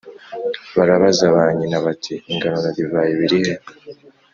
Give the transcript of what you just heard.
Barabaza ba nyina, bati «Ingano na divayi biri he?»